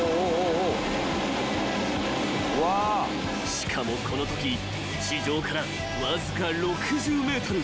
［しかもこのとき地上からわずか６０ｍ］